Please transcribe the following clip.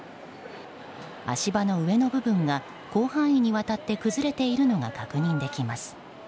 足場の上の部分が広範囲にわたって崩れているのが確認できます。